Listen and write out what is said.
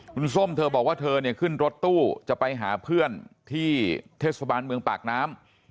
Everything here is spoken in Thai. คุณส้มเธอบอกว่าเธอเนี่ยขึ้นรถตู้จะไปหาเพื่อนที่เทศบาลเมืองปากน้ำ